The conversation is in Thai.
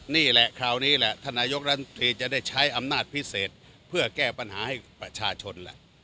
นี่แหละคราวนี้แหละท่านนายกรัฐมนตรีจะได้ใช้อำนาจพิเศษเพื่อแก้ปัญหาให้ประชาชนแหละ